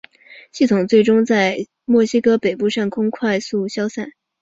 系统最终在墨西哥北部上空快速消散。